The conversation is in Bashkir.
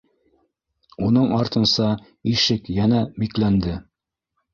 Уның артынса ишек йәнә бикләнде.